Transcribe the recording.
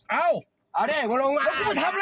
เอาเอาดิมึงลงมา